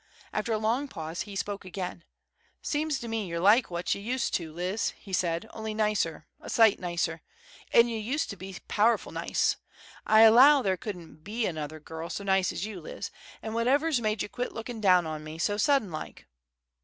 After a long pause he spoke again. "Seems to me ye're like what ye used to, Liz," said he, "only nicer, a sight nicer; an' y' used to be powerful nice. I allow there couldn't be another girl so nice as you, Liz. An' what ever's made ye quit lookin' down on me, so sudden like?"